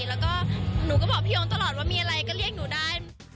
แล้วก็หนูก็บอกพี่โอ๊คตลอดว่ามีอะไรก็เรียกหนูได้